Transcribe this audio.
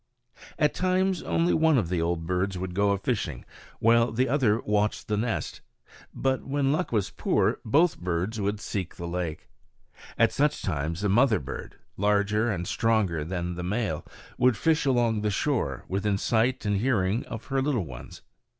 At times only one of the old birds would go a fishing, while the other watched the nest. But when luck was poor both birds would seek the lake. At such times the mother bird, larger and stronger than the male, would fish along the shore, within sight and hearing of her little ones.